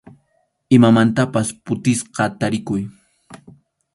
Imamantapas phutisqa tarikuy.